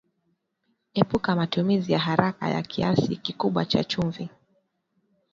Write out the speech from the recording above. Epuka matumizi ya haraka ya kiasi kikubwa cha chumvi